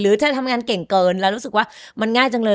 เธอทำงานเก่งเกินแล้วรู้สึกว่ามันง่ายจังเลย